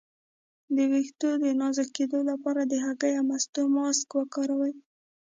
د ویښتو د نازکیدو لپاره د هګۍ او مستو ماسک وکاروئ